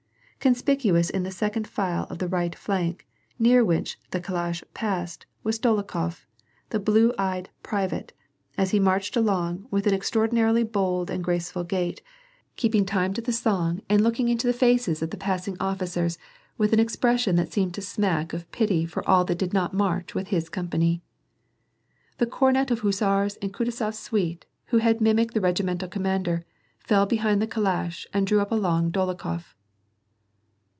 Conspicuous in the second file of the right flank, near which the calash passed, was Dolokhof, the blue eyed private, as he marched along with an extraordinarily bold and graceful gait, keeping time to the song and looking into the faces of ^ Ah, my cottage, my cottage, WAJi AND PEACE. 141 the passing ofiScers with an expression that seemed to smack of pity for all who did not mai ch with his company. The comet of Hussars in Kutuzors suite, who had mimicked the regimental commander^ fell behind the calash and drew up alongside of Dolokhof